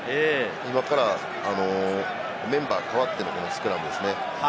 今からメンバーが代わってのスクラムですね。